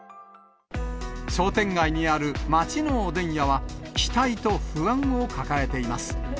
商店街にある町のおでん屋は、期待と不安を抱えています。